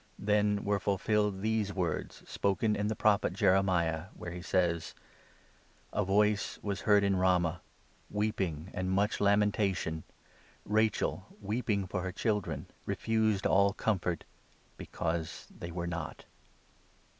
Then were ful 17 filled these words spoken in the Prophet Jeremiah, where he says — 'A voice was heard in Ramah, 18 Weeping" and much lamentation ; Rachel, weeping for her children, Refused all comfort because they were not.'